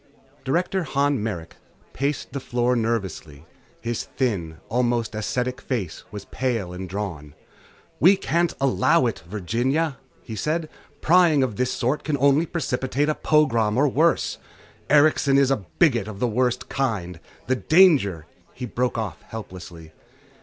_ Director Han Merrick paced the floor nervously. His thin, almost ascetic face was pale and drawn. "We can't allow it, Virginia," he said, "Prying of this sort can only precipitate a pogrom or worse. Erikson is a bigot of the worst kind. The danger " He broke off helplessly.